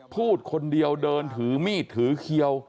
พูดคนเดียวเดินถือมีดถือเขียว